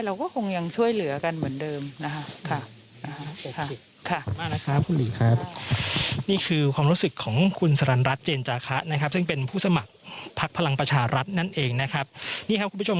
เราก็คงยังช่วยเหลือกันเหมือนเดิมนะฮะ